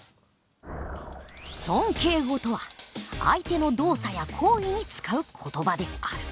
尊敬語とは相手の動作や行為に使う言葉である。